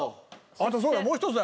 あとそうだもう一つだよ。